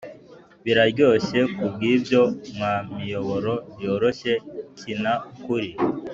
biraryoshye; kubwibyo, mwa miyoboro yoroshye, kina kuri;